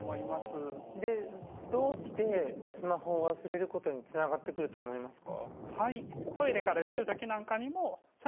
でどうしてスマホを忘れることにつながってくると思いますか？